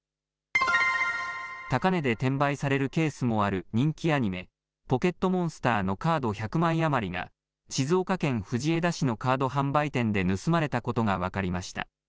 高値で転売されるケースもある人気アニメ、ポケットモンスターのカード１００枚余りが、静岡県藤枝市のカード販売店で盗まれたことが分かりました。